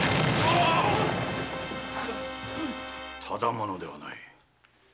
ただ者ではない。